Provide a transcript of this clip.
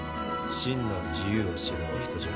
真の自由を知るお人じゃ。